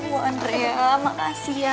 oh wander ya makasih ya